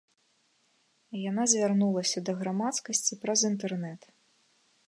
Яна звярнулася да грамадскасці праз інтэрнэт.